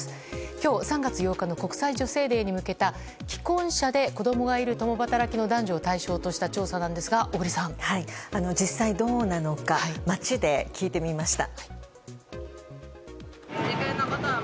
今日、３月８日の国際女性デーに向けた既婚者で子供がいる共働きの男女を対象とした実際にどうなのか街で聞いてみました。